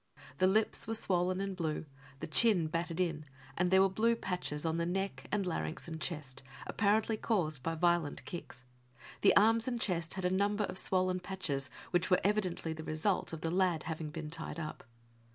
The lips were swollen and blue, the chin battered in, and there were blue patches on the neck and larynx and chest, apparently caused by violent kicks. The arms and chest had a number of swollen patches, which were evidently the result of the lad having been tied up.